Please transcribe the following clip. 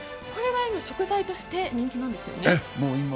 これが今、食材として人気なんですね。